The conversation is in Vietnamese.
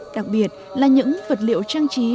đặc biệt là những vật liệu trang trí